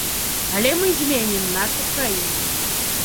Але мы зменім нашу краіну.